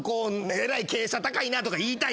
えらい傾斜高いなとか言いたい。